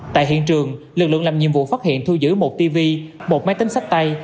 tại hiện trường lực lượng làm nhiệm vụ phát hiện thu giữ một tv một máy tính sách tay